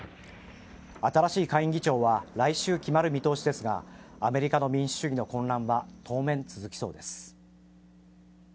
新しい下院議長は来週決まる見通しですがアメリカの民主主義の混乱は当面、続きそうです。